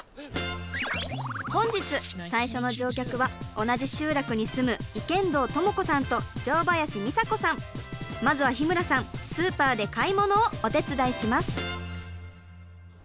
本日最初の乗客は同じ集落に住むまずは日村さんスーパーで買い物をお手伝いします。